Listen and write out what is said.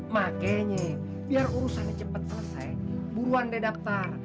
makanya biar urusannya cepat selesai buruan deh daftar